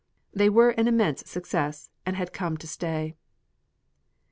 They were an immense success and had come to stay.